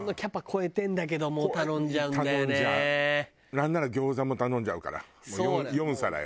なんなら餃子も頼んじゃうからもう４皿よ。